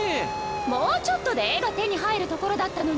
もうちょっとで絵が手に入るところだったのに。